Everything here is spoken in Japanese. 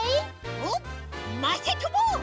おっまさとも！